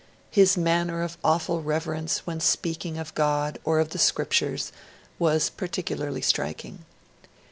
'His manner of awful reverence when speaking of God or of the Scriptures' was particularly striking.